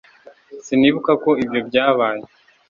sinibuka ko ibyo byabaye